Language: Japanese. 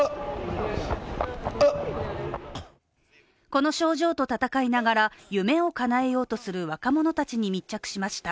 この症状と闘いながら夢をかなえようとする若者たちに密着しました。